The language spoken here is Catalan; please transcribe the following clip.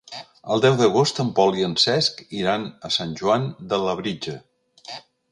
El deu d'agost en Pol i en Cesc iran a Sant Joan de Labritja.